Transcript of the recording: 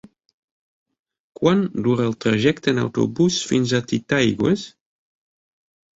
Quant dura el trajecte en autobús fins a Titaigües?